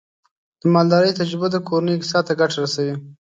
د مالدارۍ تجربه د کورنۍ اقتصاد ته ګټه رسوي.